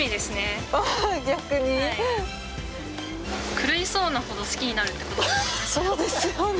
狂いそうなほど好きになるってことですよね。